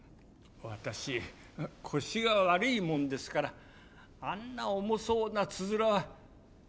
私腰が悪いもんですからあんな重そうなつづらは持てません。